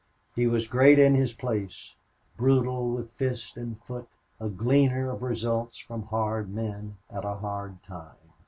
He was great in his place, brutal with fist and foot, a gleaner of results from hard men at a hard time.